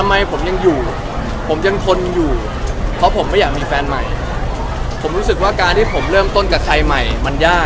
จะให้คัทเป็นคนในอนาคตของผม